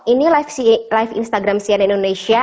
ini live instagram sian indonesia